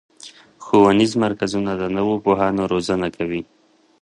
ښوونیز مرکزونه د نوو پوهانو روزنه کوي.